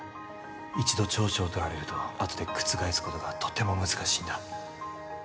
一度調書を取られるとあとで覆すことがとても難しいんだ